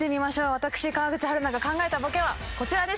私川口春奈が考えたボケはこちらでした。